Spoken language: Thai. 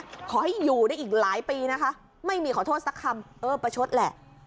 ขอให้อยู่ได้อีกหลายปีนะคะไม่มีขอโทษสักคำเออประชดแหละ